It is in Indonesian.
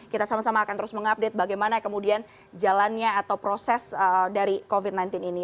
kita sama sama akan terus mengupdate bagaimana kemudian jalannya atau proses dari covid sembilan belas ini